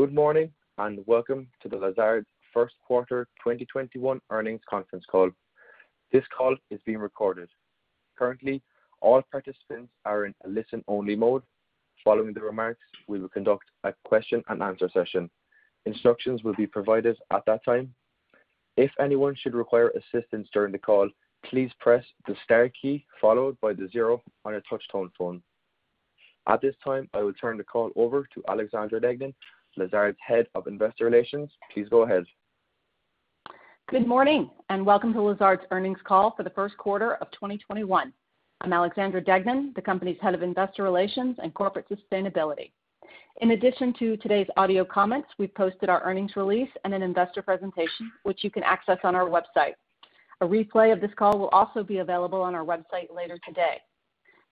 Good morning, and welcome to the Lazard first quarter 2021 earnings conference call. This call is being recorded. Currently, all participants are in a listen-only mode. Following the remarks, we will conduct a question and answer session. Instructions will be provided at that time. If anyone should require assistance during the call, please press the star key followed by the zero on a touch-tone phone. At this time, I will turn the call over to Alexandra Deignan, Lazard's Head of Investor Relations. Please go ahead. Good morning, and welcome to Lazard's earnings call for the first quarter of 2021. I'm Alexandra Deignan, the company's Head of Investor Relations and Corporate Sustainability. In addition to today's audio comments, we've posted our earnings release in an investor presentation, which you can access on our website. A replay of this call will also be available on our website later today.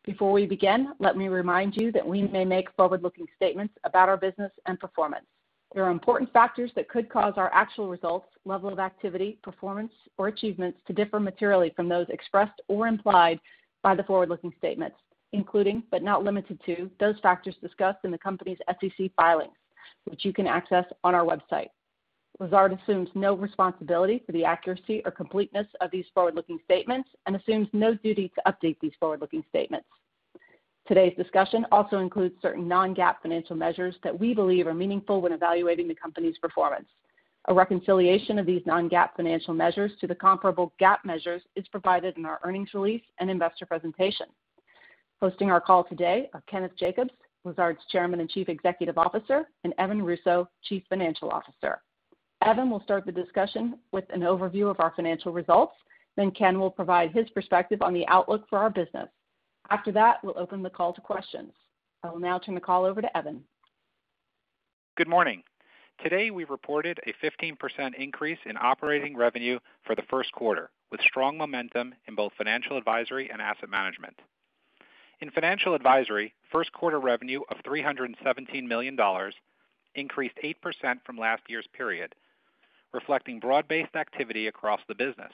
Before we begin, let me remind you that we may make forward-looking statements about our business and performance. There are important factors that could cause our actual results, level of activity, performance, or achievements to differ materially from those expressed or implied by the forward-looking statements, including, but not limited to, those factors discussed in the company's SEC filings, which you can access on our website. Lazard assumes no responsibility for the accuracy or completeness of these forward-looking statements and assumes no duty to update these forward-looking statements. Today's discussion also includes certain non-GAAP financial measures that we believe are meaningful when evaluating the company's performance. A reconciliation of these non-GAAP financial measures to the comparable GAAP measures is provided in our earnings release and investor presentation. Hosting our call today are Kenneth Jacobs, Lazard's Chairman and Chief Executive Officer, and Evan Russo, Chief Financial Officer. Evan will start the discussion with an overview of our financial results, then Ken will provide his perspective on the outlook for our business. After that, we'll open the call to questions. I will now turn the call over to Evan. Good morning. Today, we reported a 15% increase in operating revenue for the first quarter, with strong momentum in both financial advisory and asset management. In financial advisory, first quarter revenue of $317 million increased 8% from last year's period, reflecting broad-based activity across the business.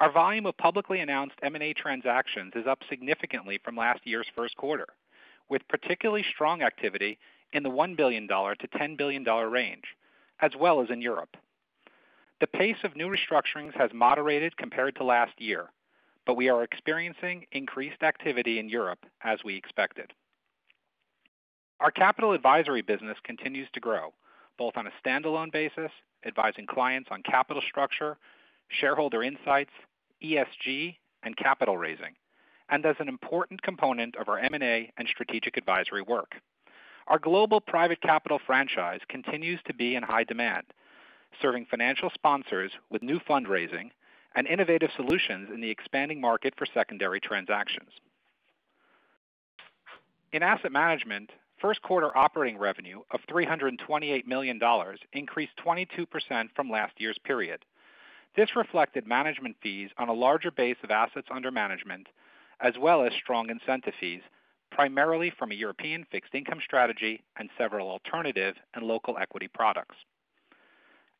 Our volume of publicly announced M&A transactions is up significantly from last year's first quarter, with particularly strong activity in the $1 billion-$10 billion range, as well as in Europe. The pace of new restructurings has moderated compared to last year, but we are experiencing increased activity in Europe as we expected. Our capital advisory business continues to grow, both on a standalone basis, advising clients on capital structure, shareholder insights, ESG, and capital raising, and as an important component of our M&A and strategic advisory work. Our global private capital franchise continues to be in high demand, serving financial sponsors with new fundraising and innovative solutions in the expanding market for secondary transactions. In asset management, first quarter operating revenue of $328 million increased 22% from last year's period. This reflected management fees on a larger base of assets under management, as well as strong incentive fees, primarily from a European fixed income strategy and several alternative and local equity products.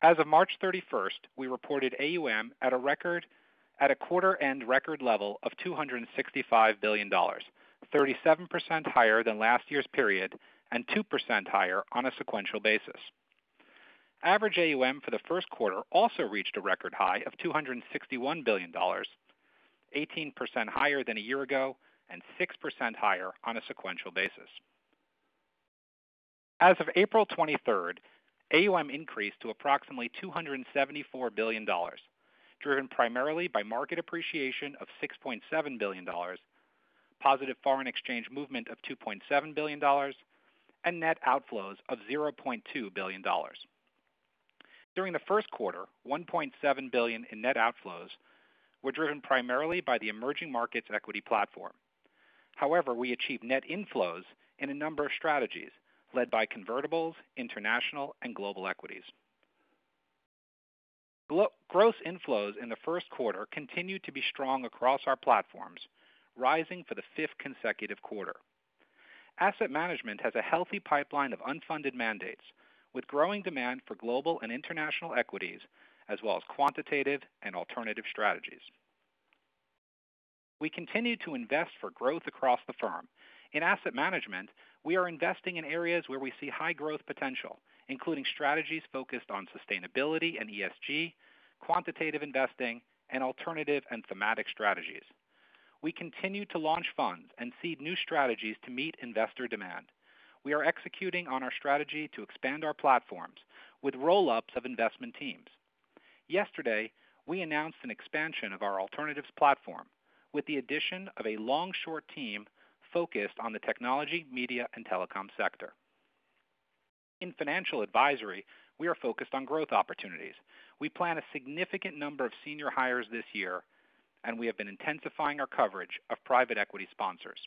As of March 31st, we reported AUM at a quarter-end record level of $265 billion, 37% higher than last year's period and 2% higher on a sequential basis. Average AUM for the first quarter also reached a record high of $261 billion, 18% higher than a year ago and 6% higher on a sequential basis. As of April 23rd, AUM increased to approximately $274 billion, driven primarily by market appreciation of $6.7 billion, positive foreign exchange movement of $2.7 billion, and net outflows of $0.2 billion. During the first quarter, $1.7 billion in net outflows were driven primarily by the emerging markets equity platform. We achieved net inflows in a number of strategies led by convertibles, international, and global equities. Gross inflows in the first quarter continued to be strong across our platforms, rising for the fifth consecutive quarter. Asset management has a healthy pipeline of unfunded mandates, with growing demand for global and international equities as well as quantitative and alternative strategies. We continue to invest for growth across the firm. In asset management, we are investing in areas where we see high growth potential, including strategies focused on sustainability and ESG, quantitative investing, and alternative and thematic strategies. We continue to launch funds and seed new strategies to meet investor demand. We are executing on our strategy to expand our platforms with roll-ups of investment teams. Yesterday, we announced an expansion of our alternatives platform with the addition of a long-short team focused on the technology, media, and telecom sector. In financial advisory, we are focused on growth opportunities. We plan a significant number of senior hires this year, and we have been intensifying our coverage of private equity sponsors.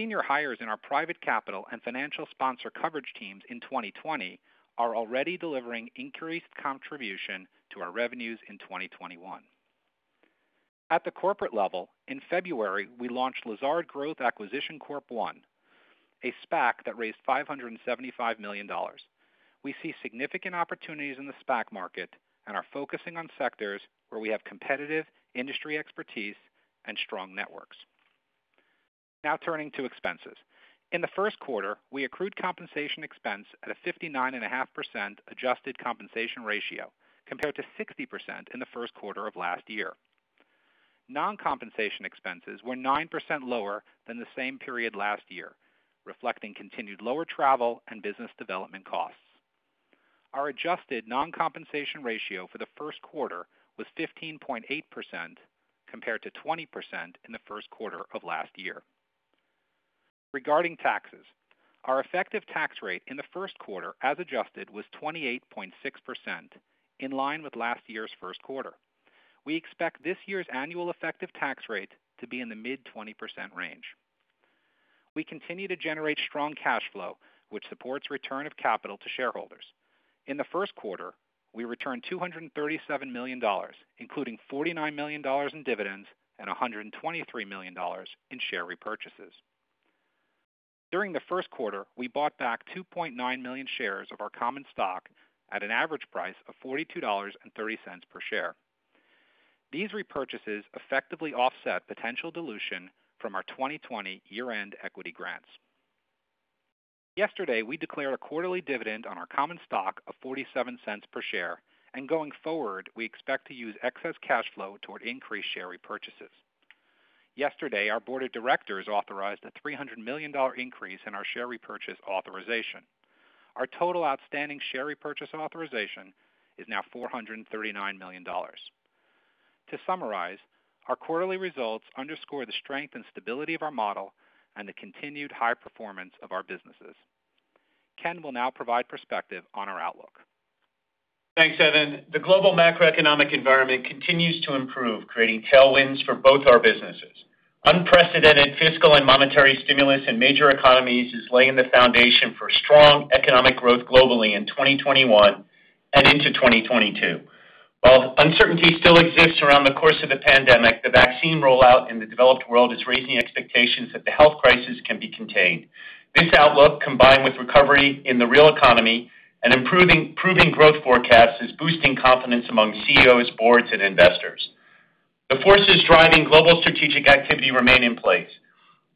Senior hires in our private capital and financial sponsor coverage teams in 2020 are already delivering increased contribution to our revenues in 2021. At the corporate level, in February, we launched Lazard Growth Acquisition Corp. I, a SPAC that raised $575 million. We see significant opportunities in the SPAC market and are focusing on sectors where we have competitive industry expertise and strong networks. Now turning to expenses. In the first quarter, we accrued compensation expense at a 59.5% adjusted compensation ratio compared to 60% in the first quarter of last year. Non-compensation expenses were 9% lower than the same period last year, reflecting continued lower travel and business development costs. Our adjusted non-compensation ratio for the first quarter was 15.8%, compared to 20% in the first quarter of last year. Regarding taxes, our effective tax rate in the first quarter, as adjusted, was 28.6%, in line with last year's first quarter. We expect this year's annual effective tax rate to be in the mid-20% range. We continue to generate strong cash flow, which supports return of capital to shareholders. In the first quarter, we returned $237 million, including $49 million in dividends and $123 million in share repurchases. During the first quarter, we bought back 2.9 million shares of our common stock at an average price of $42.30 per share. These repurchases effectively offset potential dilution from our 2020 year-end equity grants. Yesterday, we declared a quarterly dividend on our common stock of $0.47 per share. Going forward, we expect to use excess cash flow toward increased share repurchases. Yesterday, our board of directors authorized a $300 million increase in our share repurchase authorization. Our total outstanding share repurchase authorization is now $439 million. To summarize, our quarterly results underscore the strength and stability of our model and the continued high performance of our businesses. Ken will now provide perspective on our outlook. Thanks, Evan. The global macroeconomic environment continues to improve, creating tailwinds for both our businesses. Unprecedented fiscal and monetary stimulus in major economies is laying the foundation for strong economic growth globally in 2021 and into 2022. While uncertainty still exists around the course of the pandemic, the vaccine rollout in the developed world is raising expectations that the health crisis can be contained. This outlook, combined with recovery in the real economy and improving growth forecasts, is boosting confidence among CEOs, boards, and investors. The forces driving global strategic activity remain in place.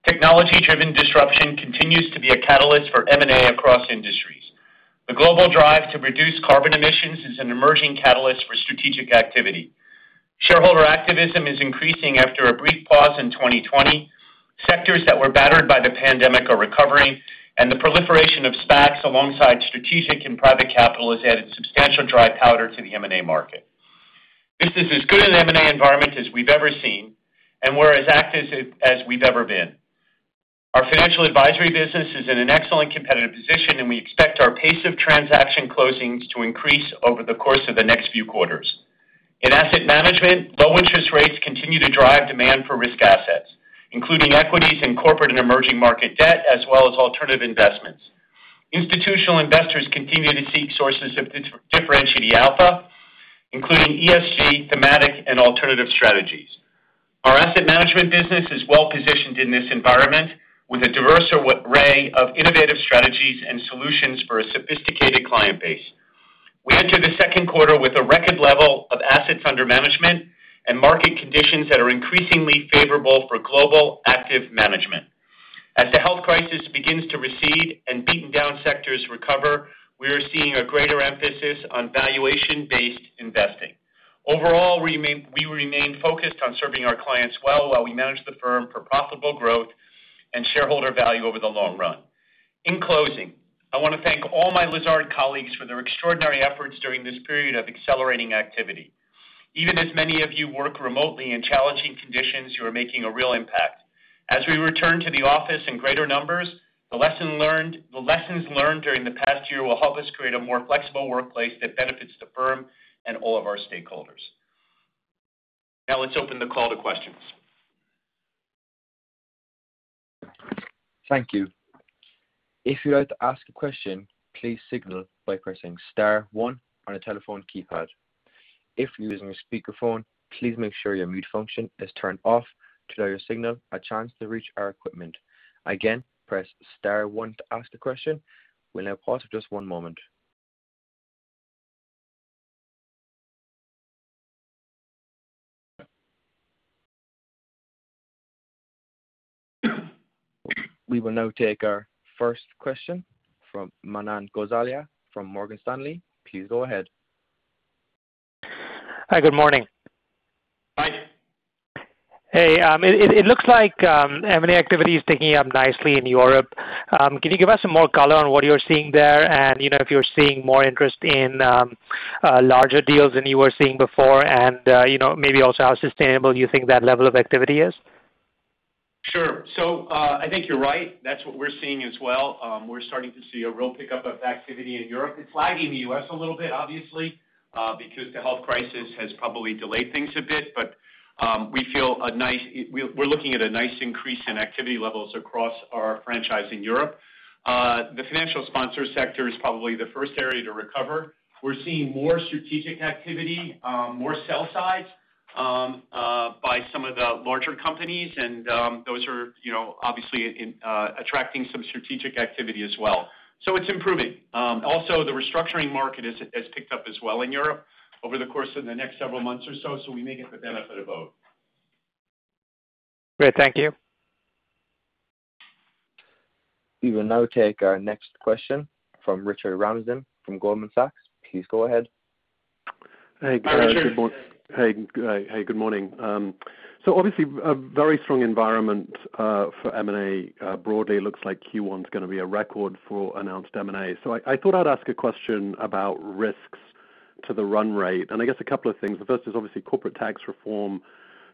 Technology-driven disruption continues to be a catalyst for M&A across industries. The global drive to reduce carbon emissions is an emerging catalyst for strategic activity. Shareholder activism is increasing after a brief pause in 2020. Sectors that were battered by the pandemic are recovering. The proliferation of SPACs alongside strategic and private capital has added substantial dry powder to the M&A market. This is as good an M&A environment as we've ever seen. We're as active as we've ever been. Our financial advisory business is in an excellent competitive position. We expect our pace of transaction closings to increase over the course of the next few quarters. In asset management, low interest rates continue to drive demand for risk assets, including equities and corporate and emerging market debt, as well as alternative investments. Institutional investors continue to seek sources of differentiated alpha, including ESG, thematic, and alternative strategies. Our asset management business is well-positioned in this environment with a diverse array of innovative strategies and solutions for a sophisticated client base. We enter the second quarter with a record level of assets under management and market conditions that are increasingly favorable for global active management. As the health crisis begins to recede and beaten-down sectors recover, we are seeing a greater emphasis on valuation-based investing. Overall, we remain focused on serving our clients well, while we manage the firm for profitable growth and shareholder value over the long run. In closing, I want to thank all my Lazard colleagues for their extraordinary efforts during this period of accelerating activity. Even as many of you work remotely in challenging conditions, you are making a real impact. As we return to the office in greater numbers, the lessons learned during the past year will help us create a more flexible workplace that benefits the firm and all of our stakeholders. Now let's open the call to questions. Thank you. If you'd like to ask a question, please signal by pressing star one on a telephone keypad. If you're using a speakerphone, please make sure your mute function is turned off to allow your signal a chance to reach our equipment. Again, press star one to ask the question. We'll now pause for just one moment. We will now take our first question from Manan Gosalia from Morgan Stanley. Please go ahead. Hi, good morning. Hi. Hey, it looks like M&A activity is picking up nicely in Europe. Can you give us some more color on what you're seeing there and if you're seeing more interest in larger deals than you were seeing before and maybe also how sustainable you think that level of activity is? Sure. I think you're right. That's what we're seeing as well. We're starting to see a real pickup of activity in Europe. It's lagging the U.S. a little bit, obviously, because the health crisis has probably delayed things a bit. We're looking at a nice increase in activity levels across our franchise in Europe. The financial sponsor sector is probably the first area to recover. We're seeing more strategic activity, more sell-side by some of the larger companies, and those are obviously attracting some strategic activity as well. It's improving. Also, the restructuring market has picked up as well in Europe over the course of the next several months or so we may get the benefit of both. Great. Thank you. We will now take our next question from Richard Ramsden from Goldman Sachs. Please go ahead. Hey, good morning. Hi, Richard. Hey. Good morning. Obviously, a very strong environment for M&A broadly. Looks like Q1's going to be a record for announced M&A. I thought I'd ask a question about risks to the run rate. I guess a couple of things. The first is obviously corporate tax reform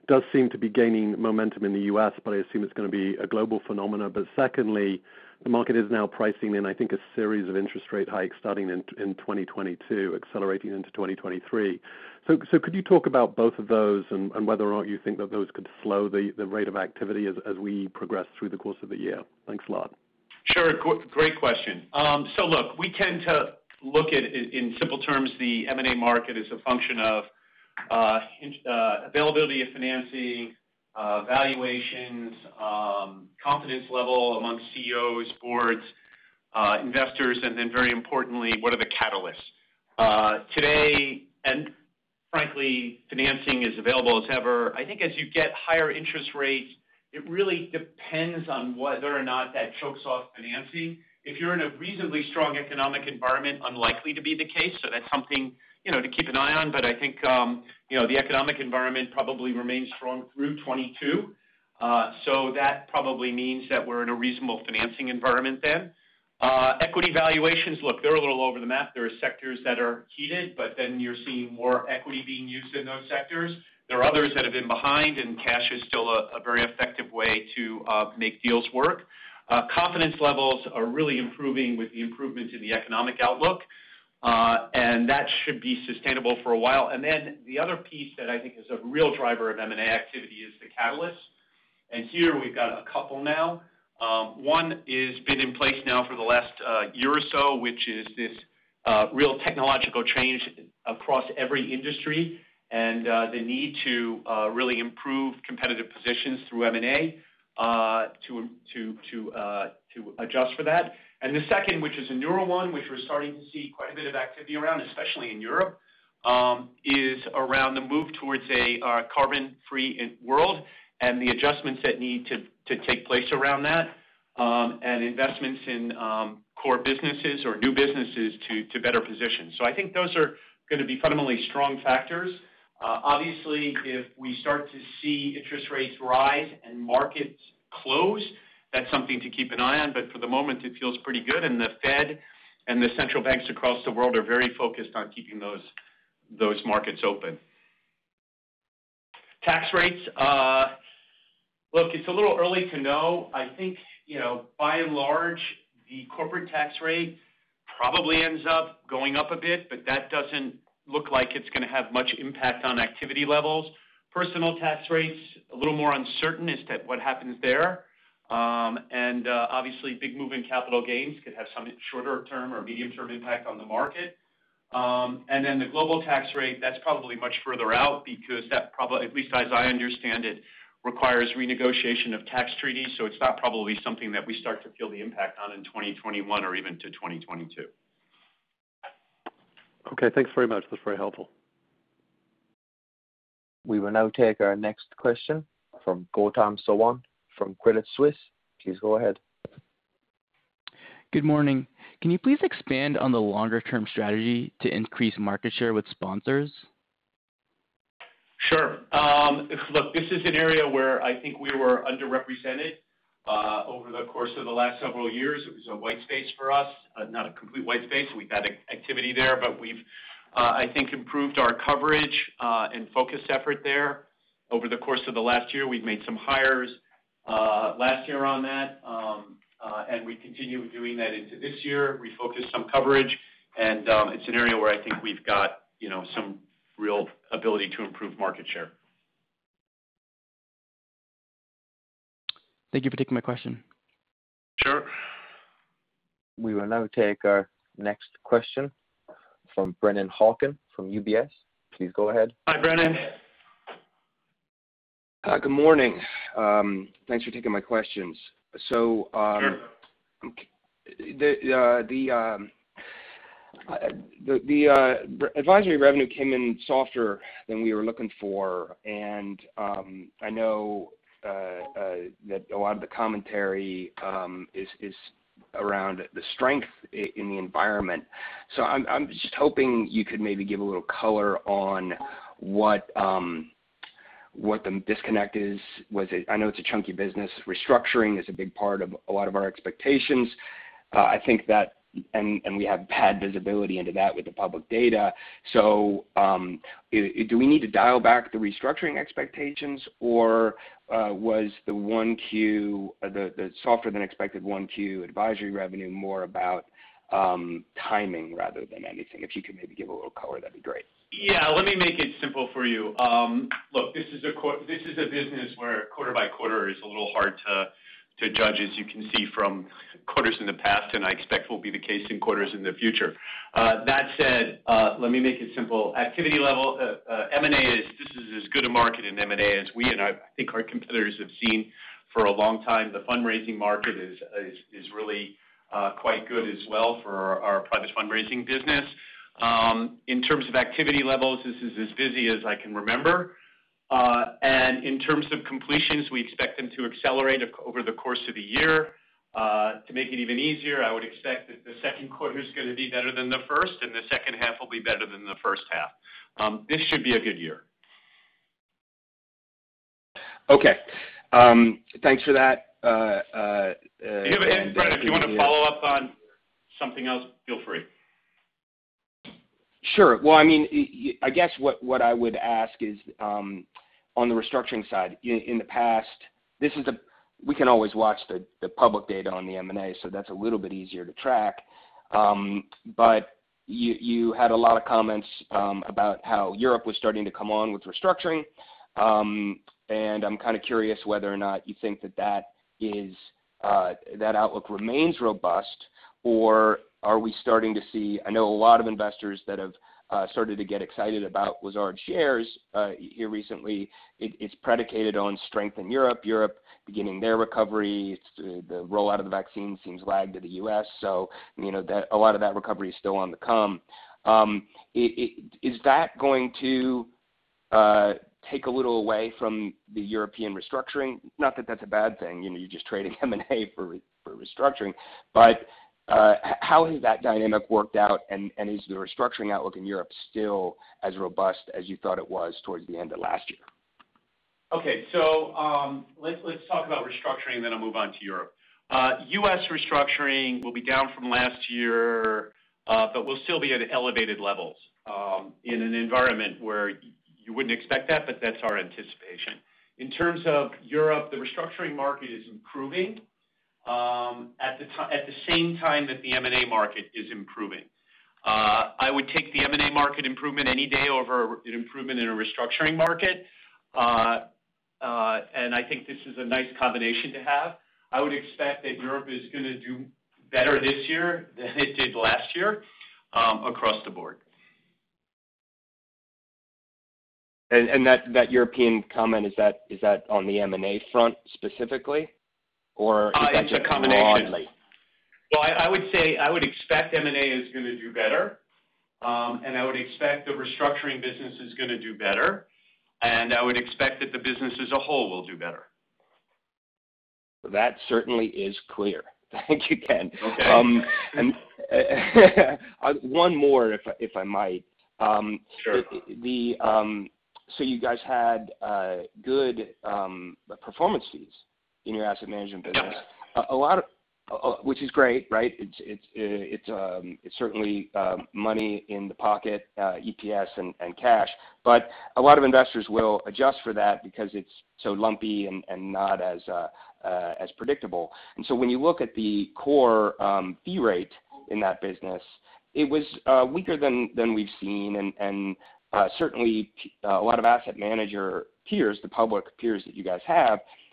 does seem to be gaining momentum in the U.S., but I assume it's going to be a global phenomena. Secondly, the market is now pricing in, I think, a series of interest rate hikes starting in 2022, accelerating into 2023. Could you talk about both of those and whether or not you think that those could slow the rate of activity as we progress through the course of the year? Thanks a lot. Sure. Great question. Look, we tend to look at it in simple terms, the M&A market is a function of availability of financing, valuations, confidence level among CEOs, boards, investors, and then very importantly, what are the catalysts? Today, frankly, financing is available as ever. I think as you get higher interest rates, it really depends on whether or not that chokes off financing. If you're in a reasonably strong economic environment, unlikely to be the case, so that's something to keep an eye on. I think the economic environment probably remains strong through 2022. That probably means that we're in a reasonable financing environment then. Equity valuations, look, they're a little all over the map. There are sectors that are heated, but then you're seeing more equity being used in those sectors. There are others that have been behind, and cash is still a very effective way to make deals work. Confidence levels are really improving with the improvements in the economic outlook, and that should be sustainable for a while. Then the other piece that I think is a real driver of M&A activity is the catalyst. Here we've got a couple now. One is been in place now for the last year or so, which is this real technological change across every industry, and the need to really improve competitive positions through M&A to adjust for that. The second, which is a newer one, which we're starting to see quite a bit of activity around, especially in Europe, is around the move towards a carbon-free world and the adjustments that need to take place around that, and investments in core businesses or new businesses to better position. I think those are going to be fundamentally strong factors. Obviously, if we start to see interest rates rise and markets close, that's something to keep an eye on, but for the moment, it feels pretty good, and the Fed and the central banks across the world are very focused on keeping those markets open. Tax rates. Look, it's a little early to know. I think by and large, the corporate tax rate probably ends up going up a bit, but that doesn't look like it's going to have much impact on activity levels. Personal tax rates, a little more uncertain as to what happens there. Obviously, big move in capital gains could have some shorter-term or medium-term impact on the market. The global tax rate, that's probably much further out because that probably, at least as I understand it, requires renegotiation of tax treaties, so it's not probably something that we start to feel the impact on in 2021 or even to 2022. Okay, thanks very much. That's very helpful. We will now take our next question from Gautam Sawant from Credit Suisse. Please go ahead. Good morning. Can you please expand on the longer-term strategy to increase market share with sponsors? Sure. Look, this is an area where I think we were underrepresented over the course of the last several years. It was a white space for us. Not a complete white space, we've had activity there, but we've I think improved our coverage and focus effort there over the course of the last year. We've made some hires last year on that, and we continue doing that into this year. Refocused some coverage, and it's an area where I think we've got some real ability to improve market share. Thank you for taking my question. Sure. We will now take our next question from Brennan Hawken from UBS. Please go ahead. Hi, Brennan. Good morning. Thanks for taking my questions. Sure. The advisory revenue came in softer than we were looking for, and I know that a lot of the commentary is around the strength in the environment. I'm just hoping you could maybe give a little color on what the disconnect is. I know it's a chunky business. Restructuring is a big part of a lot of our expectations. We have bad visibility into that with the public data. Do we need to dial back the restructuring expectations, or was the softer than expected Q1 advisory revenue more about timing rather than anything? If you could maybe give a little color, that'd be great. Yeah. Let me make it simple for you. Look, this is a business where quarter by quarter is a little hard to judge, as you can see from quarters in the past, and I expect will be the case in quarters in the future. That said. Let me make it simple. Activity level, M&A, this is as good a market in M&A as we, and I think our competitors have seen for a long time. The fundraising market is really quite good as well for our private fundraising business. In terms of activity levels, this is as busy as I can remember. In terms of completions, we expect them to accelerate over the course of the year. To make it even easier, I would expect that the second quarter is going to be better than the first, and the second half will be better than the first half. This should be a good year. Okay. Thanks for that. If you want to follow up on something else, feel free. Sure. I guess what I would ask is on the restructuring side, in the past, we can always watch the public data on the M&A, so that's a little bit easier to track. You had a lot of comments about how Europe was starting to come on with restructuring. I'm kind of curious whether or not you think that outlook remains robust. I know a lot of investors that have started to get excited about Lazard shares here recently. It's predicated on strength in Europe beginning their recovery. The rollout of the vaccine seems lagged to the U.S., so a lot of that recovery is still on the come. Is that going to take a little away from the European restructuring? Not that that's a bad thing. You're just trading M&A for restructuring. How has that dynamic worked out, and is the restructuring outlook in Europe still as robust as you thought it was towards the end of last year? Okay. Let's talk about restructuring, then I'll move on to Europe. U.S. restructuring will be down from last year, but we'll still be at elevated levels in an environment where you wouldn't expect that, but that's our anticipation. In terms of Europe, the restructuring market is improving at the same time that the M&A market is improving. I would take the M&A market improvement any day over an improvement in a restructuring market. I think this is a nice combination to have. I would expect that Europe is going to do better this year than it did last year across the board. That European comment, is that on the M&A front specifically, or is that just broadly? It's a combination. Well, I would say, I would expect M&A is going to do better, and I would expect the restructuring business is going to do better, and I would expect that the business as a whole will do better. That certainly is clear. Thank you, Ken. Okay. One more, if I might. Sure. You guys had good performance fees in your asset management business. Which is great. It's certainly money in the pocket, EPS and cash, but a lot of investors will adjust for that because it's so lumpy and not as predictable. When you look at the core fee rate in that business, it was weaker than we've seen, and certainly a lot of asset manager peers, the public peers that you guys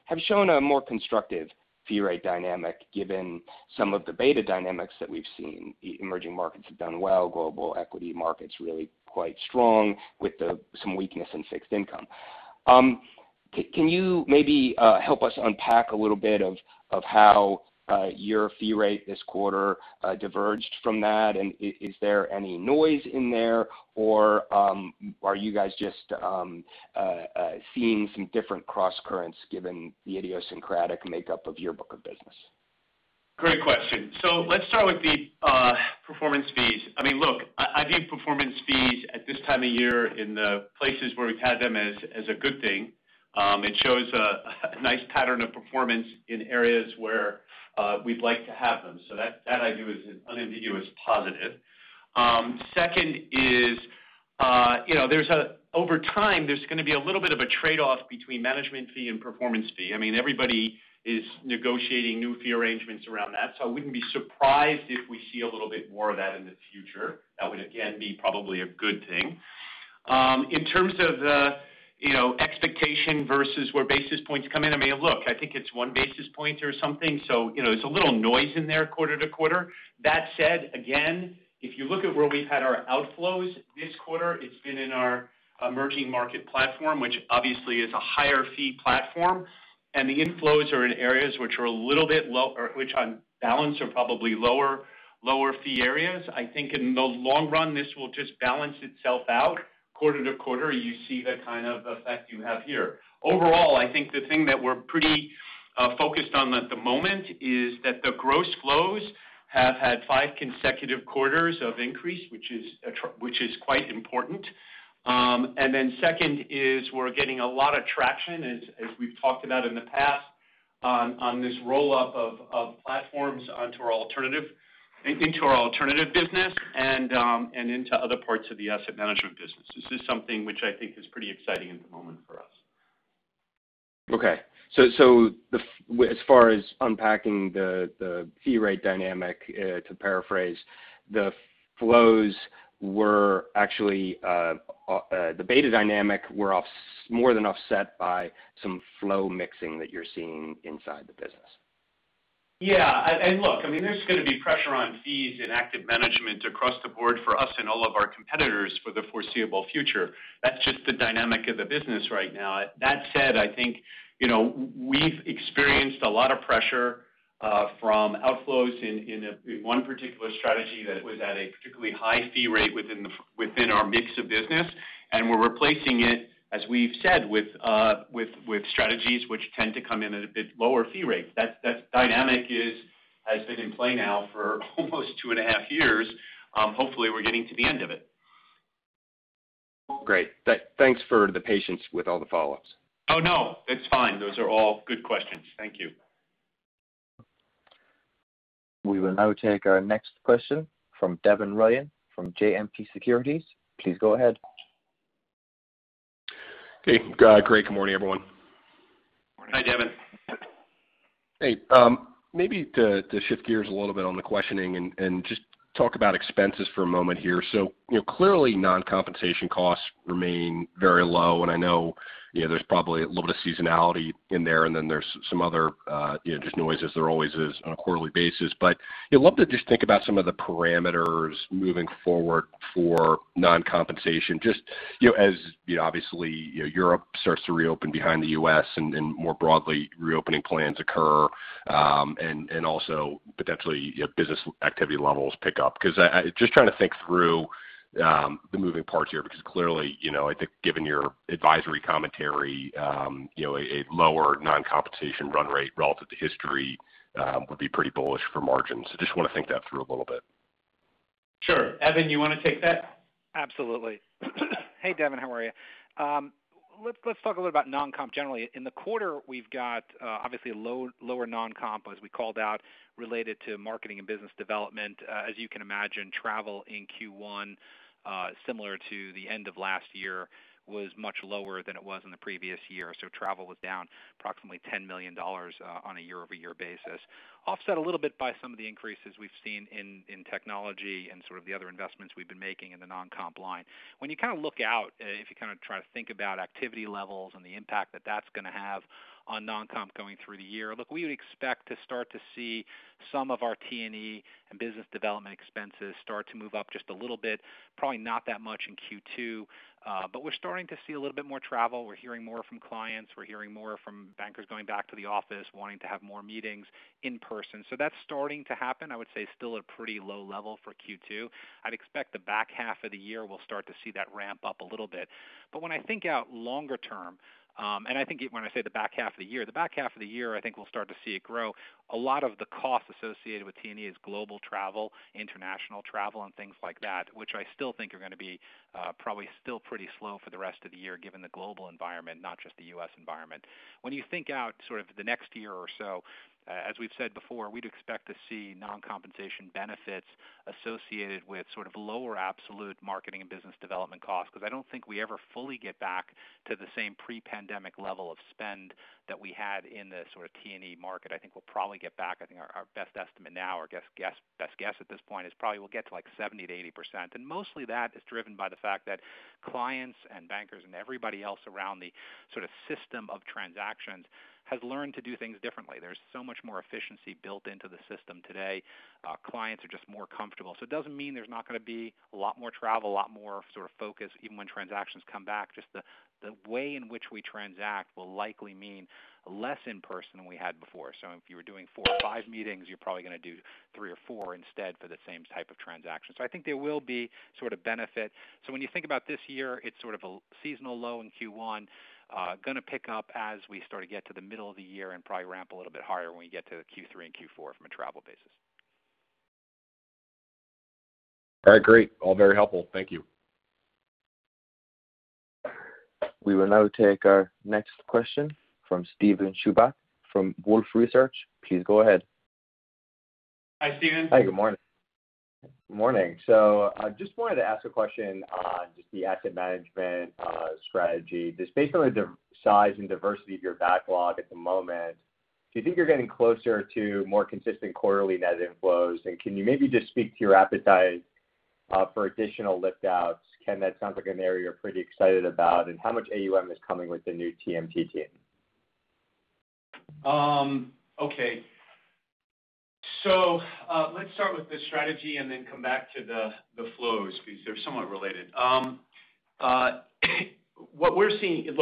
have shown a more constructive fee rate dynamic given some of the beta dynamics that we've seen. Emerging markets have done well. Global equity market's really quite strong with some weakness in fixed income. Can you maybe help us unpack a little bit of how your fee rate this quarter diverged from that? Is there any noise in there, or are you guys just seeing some different crosscurrents given the idiosyncratic makeup of your book of business? Great question. Let's start with the performance fees. Look, I view performance fees at this time of year in the places where we've had them as a good thing. It shows a nice pattern of performance in areas where we'd like to have them. That I view as, unambiguous as positive. Second is, over time, there's going to be a little bit of a trade-off between management fee and performance fee. Everybody is negotiating new fee arrangements around that. I wouldn't be surprised if we see a little bit more of that in the future. That would, again, be probably a good thing. In terms of the expectation versus where basis points come in, look, I think it's one basis point or something, there's a little noise in there quarter-to-quarter. That said, again, if you look at where we've had our outflows this quarter, it's been in our emerging market platform, which obviously is a higher fee platform, and the inflows are in areas which on balance are probably lower fee areas. I think in the long run, this will just balance itself out. Quarter-to-quarter, you see the kind of effect you have here. Overall, I think the thing that we're pretty focused on at the moment is that the gross flows have had five consecutive quarters of increase, which is quite important. Then second is we're getting a lot of traction as we've talked about in the past on this roll-up of platforms into our alternative business and into other parts of the asset management business. This is something which I think is pretty exciting at the moment for us. Okay. As far as unpacking the fee rate dynamic to paraphrase, the beta dynamics were more than offset by some flow mixing that you're seeing inside the business. Yeah. Look, there's going to be pressure on fees and active management across the board for us and all of our competitors for the foreseeable future. That's just the dynamic of the business right now. That said, I think we've experienced a lot of pressure from outflows in one particular strategy that was at a particularly high fee rate within our mix of business, and we're replacing it, as we've said, with strategies which tend to come in at a bit lower fee rate. That dynamic has been in play now for almost two and a half years. Hopefully, we're getting to the end of it. Great. Thanks for the patience with all the follow-ups. Oh, no. It's fine. Those are all good questions. Thank you. We will now take our next question from Devin Ryan from JMP Securities. Please go ahead. Okay, great. Good morning, everyone. Hi, Devin. Hey. Maybe to shift gears a little bit on the questioning and just talk about expenses for a moment here. Clearly, non-compensation costs remain very low, and I know there's probably a little bit of seasonality in there, and then there's some other just noises. There always is on a quarterly basis. I'd love to just think about some of the parameters moving forward for non-compensation, just as obviously Europe starts to reopen behind the U.S. and more broadly, reopening plans occur, and also potentially business activity levels pick up. Just trying to think through the moving parts here, because clearly, I think given your advisory commentary, a lower non-compensation run rate relative to history would be pretty bullish for margins. Just want to think that through a little bit. Sure. Evan, you want to take that? Absolutely. Hey, Devin, how are you? Let's talk a little about non-comp generally. In the quarter, we've got obviously a lower non-comp, as we called out, related to marketing and business development. As you can imagine, travel in Q1, similar to the end of last year, was much lower than it was in the previous year. Travel was down approximately $10 million on a year-over-year basis, offset a little bit by some of the increases we've seen in technology and sort of the other investments we've been making in the non-comp line. When you kind of look out, if you kind of try to think about activity levels and the impact that that's going to have on non-comp going through the year, look, we would expect to start to see some of our T&E and business development expenses start to move up just a little bit. Probably not that much in Q2. We're starting to see a little bit more travel. We're hearing more from clients. We're hearing more from bankers going back to the office wanting to have more meetings in person. That's starting to happen. I would say still a pretty low level for Q2. I'd expect the back half of the year we'll start to see that ramp up a little bit. When I think out longer term, and I think when I say the back half of the year, I think we'll start to see it grow. A lot of the cost associated with T&E is global travel, international travel, and things like that, which I still think are going to be probably still pretty slow for the rest of the year, given the global environment, not just the U.S. environment. When you think out sort of the next year or so, as we've said before, we'd expect to see non-compensation benefits associated with sort of lower absolute marketing and business development costs, because I don't think we ever fully get back to the same pre-pandemic level of spend that we had in the sort of T&E market. I think we'll probably get back, I think our best estimate now, our best guess at this point is probably we'll get to, like, 70%-80%. Mostly that is driven by the fact that clients and bankers and everybody else around the sort of system of transactions has learned to do things differently. There's so much more efficiency built into the system today. Clients are just more comfortable. It doesn't mean there's not going to be a lot more travel, a lot more sort of focus, even when transactions come back. Just the way in which we transact will likely mean less in-person than we had before. If you were doing four or five meetings, you're probably going to do three or four instead for the same type of transaction. I think there will be sort of benefit. When you think about this year, it's sort of a seasonal low in Q1, going to pick up as we start to get to the middle of the year and probably ramp a little bit higher when we get to Q3 and Q4 from a travel basis. All right, great. All very helpful. Thank you. We will now take our next question from Steven Chubak from Wolfe Research. Please go ahead. Hi, Steven. Hi, good morning. Morning. I just wanted to ask a question on just the asset management strategy. Just based on the size and diversity of your backlog at the moment, do you think you're getting closer to more consistent quarterly net inflows? Can you maybe just speak to your appetite for additional lift-outs? Ken, that sounds like an area you're pretty excited about, and how much AUM is coming with the new TMT team? Okay. Let's start with the strategy and then come back to the flows because they're somewhat related. Look, what we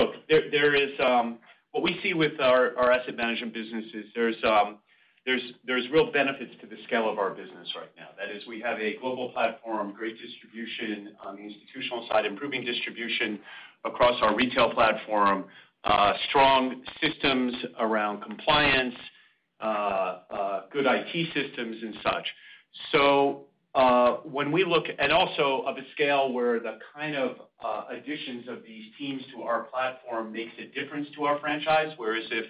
see with our asset management business is there's real benefits to the scale of our business right now. That is, we have a global platform, great distribution on the institutional side, improving distribution across our retail platform, strong systems around compliance, good IT systems, and such. Also of a scale where the kind of additions of these teams to our platform makes a difference to our franchise, whereas if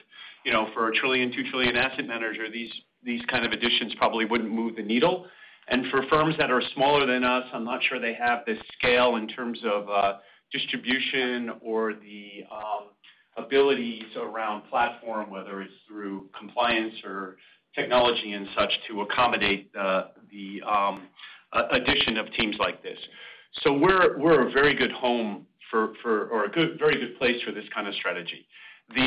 for a $1 trillion, $2 trillion asset manager, these kind of additions probably wouldn't move the needle. For firms that are smaller than us, I'm not sure they have the scale in terms of distribution or the abilities around platform, whether it's through compliance or technology and such, to accommodate the addition of teams like this. So we're a very good home or a very good place for this kind of strategy. The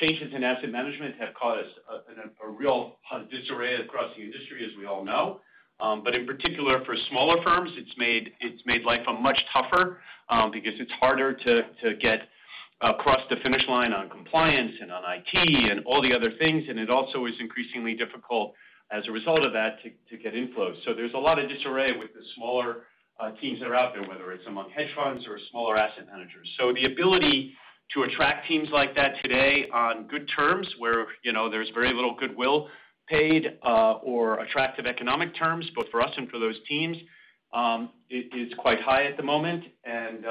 changes in asset management have caused a real disarray across the industry, as we all know. In particular, for smaller firms, it's made life much tougher because it's harder to get across the finish line on compliance and on IT and all the other things, and it also is increasingly difficult as a result of that to get inflows. There's a lot of disarray with the smaller teams that are out there, whether it's among hedge funds or smaller asset managers. The ability to attract teams like that today on good terms, where there's very little goodwill paid or attractive economic terms, both for us and for those teams, is quite high at the moment, and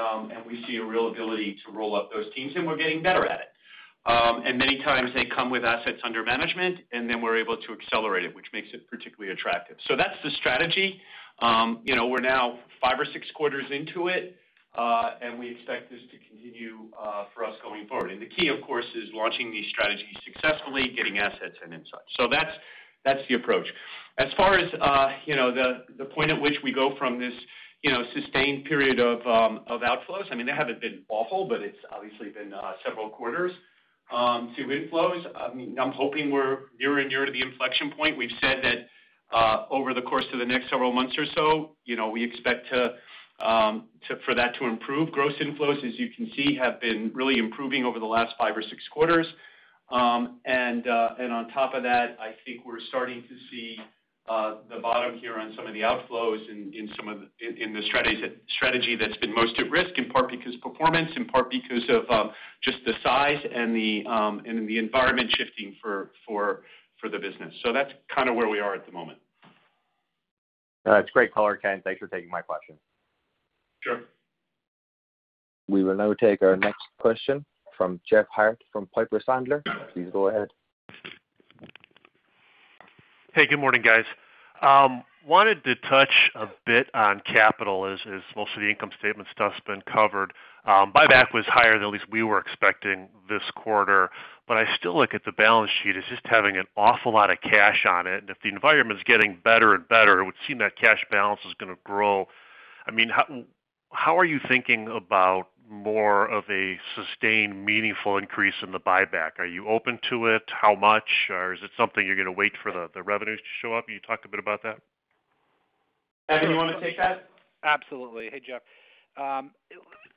we see a real ability to roll up those teams, and we're getting better at it. Many times they come with assets under management, and then we're able to accelerate it, which makes it particularly attractive. That's the strategy. We're now five or six quarters into it, and we expect this to continue for us going forward. The key, of course, is launching these strategies successfully, getting assets and insights. That's the approach. As far as the point at which we go from this sustained period of outflows, I mean, they haven't been awful, but it's obviously been several quarters to inflows. I'm hoping we're nearer to the inflection point. We've said that over the course of the next several months or so, we expect for that to improve. Gross inflows, as you can see, have been really improving over the last five or six quarters. On top of that, I think we're starting to see the bottom here on some of the outflows in the strategy that's been most at risk, in part because performance, in part because of just the size and the environment shifting for the business. That's kind of where we are at the moment. That's great color, Ken. Thanks for taking my question. Sure. We will now take our next question from Jeff Harte from Piper Sandler. Please go ahead. Hey, good morning, guys. Wanted to touch a bit on capital as most of the income statement stuff's been covered. Buyback was higher than at least we were expecting this quarter, but I still look at the balance sheet as just having an awful lot of cash on it. If the environment is getting better and better, it would seem that cash balance is going to grow. How are you thinking about more of a sustained, meaningful increase in the buyback? Are you open to it? How much? Is it something you're going to wait for the revenues to show up? Can you talk a bit about that? Evan, you want to take that? Absolutely. Hey, Jeff.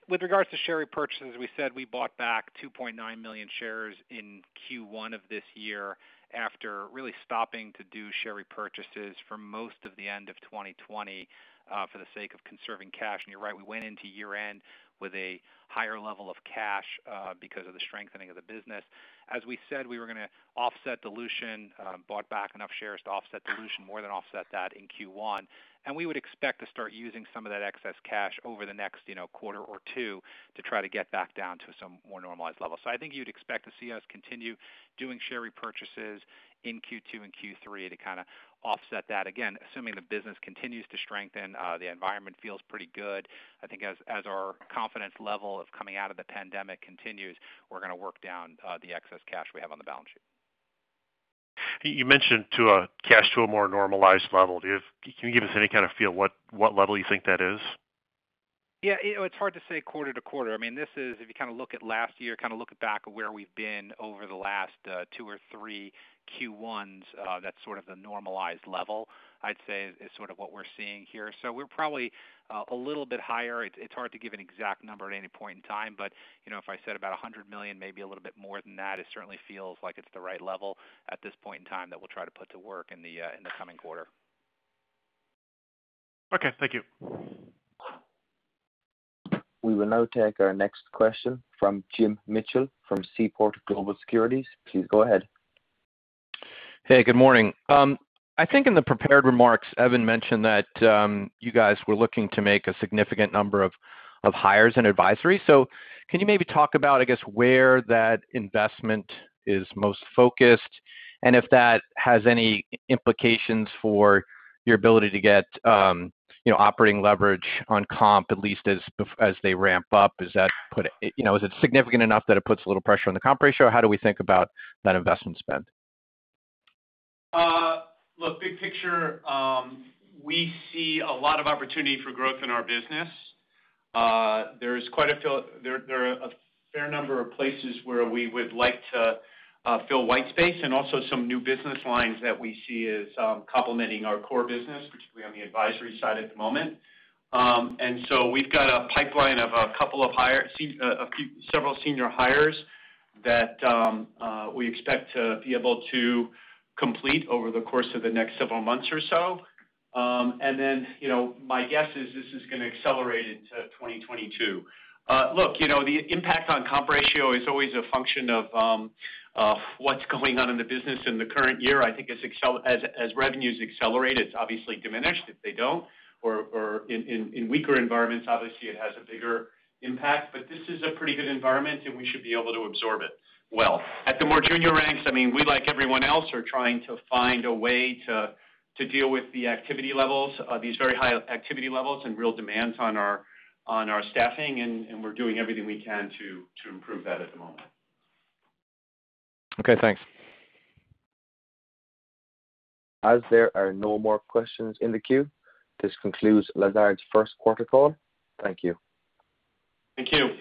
With regards to share repurchases, we said we bought back 2.9 million shares in Q1 of this year after really stopping to do share repurchases for most of the end of 2020 for the sake of conserving cash. You're right, we went into year-end with a higher level of cash because of the strengthening of the business. As we said, we were going to offset dilution, bought back enough shares to offset dilution, more than offset that in Q1. We would expect to start using some of that excess cash over the next quarter or two to try to get back down to some more normalized level. I think you'd expect to see us continue doing share repurchases in Q2 and Q3 to kind of offset that. Again, assuming the business continues to strengthen, the environment feels pretty good. I think as our confidence level of coming out of the pandemic continues, we're going to work down the excess cash we have on the balance sheet. You mentioned cash to a more normalized level. Can you give us any kind of feel what level you think that is? Yeah. It's hard to say quarter-to-quarter. If you kind of look at last year, look back at where we've been over the last two or three Q1s, that's sort of the normalized level, I'd say, is sort of what we're seeing here. We're probably a little bit higher. It's hard to give an exact number at any point in time. If I said about $100 million, maybe a little bit more than that, it certainly feels like it's the right level at this point in time that we'll try to put to work in the coming quarter. Okay. Thank you. We will now take our next question from James Mitchell from Seaport Global Securities. Please go ahead. Hey, good morning. I think in the prepared remarks, Evan mentioned that you guys were looking to make a significant number of hires in advisory. Can you maybe talk about, I guess, where that investment is most focused and if that has any implications for your ability to get operating leverage on comp, at least as they ramp up? Is it significant enough that it puts a little pressure on the comp ratio, or how do we think about that investment spend? Look, big picture, we see a lot of opportunity for growth in our business. There are a fair number of places where we would like to fill white space and also some new business lines that we see as complementing our core business, particularly on the advisory side at the moment. We've got a pipeline of several senior hires that we expect to be able to complete over the course of the next several months or so. My guess is this is going to accelerate into 2022. Look, the impact on comp ratio is always a function of what's going on in the business in the current year. I think as revenues accelerate, it's obviously diminished. If they don't or in weaker environments, obviously it has a bigger impact, but this is a pretty good environment, and we should be able to absorb it well. At the more junior ranks, we, like everyone else, are trying to find a way to deal with the activity levels, these very high activity levels and real demands on our staffing. We're doing everything we can to improve that at the moment. Okay, thanks. As there are no more questions in the queue, this concludes Lazard's first quarter call. Thank you. Thank you.